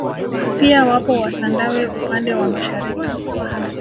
Pia wapo wasandawe upande wa mashariki